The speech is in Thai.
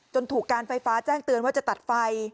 ถูกการไฟฟ้าแจ้งเตือนว่าจะตัดไฟ